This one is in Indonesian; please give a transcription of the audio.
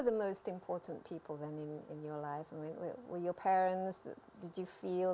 kamu sudah berbicara dengan orang orang yang berbicara dengan umur delapan belas bulan